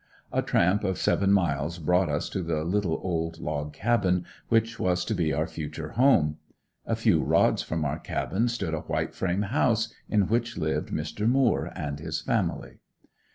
A tramp of seven miles brought us to the little old log cabin which was to be our future home. A few rods from our cabin stood a white frame house in which lived Mr. Moore and family.